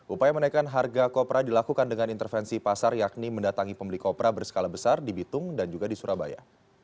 upaya menaikkan harga kopra dilakukan dengan intervensi pasar yakni mendatangi pembeli kopra berskala besar di bitung dan juga di surabaya